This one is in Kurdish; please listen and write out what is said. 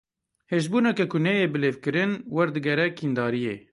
Hêrsbûneke ku neyê bilêvkirin, werdigere kîndariyê.